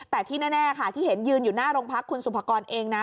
แต่ที่แน่ค่ะที่เห็นยืนอยู่หน้าโรงพักคุณสุภกรเองนะ